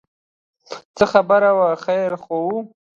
څه خبره وه خیر خو و.